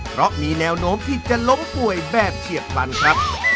เพราะมีแนวโน้มที่จะล้มป่วยแบบเฉียบพลันครับ